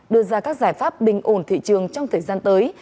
đưa ra các giải pháp bình ổn thị trường trong thời gian tới